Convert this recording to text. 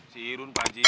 si irun pak ji